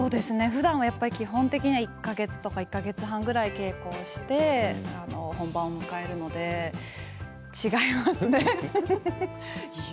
ふだんは基本的に１か月とか１か月半稽古をして本番を迎えるので違いますね。